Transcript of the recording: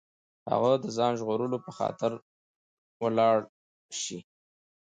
هغه د ځان ژغورلو په خاطر ولاړ شي.